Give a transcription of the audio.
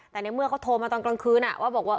แต่ในเมื่อเขาโทรมาตอนกลางคืนว่าบอกว่า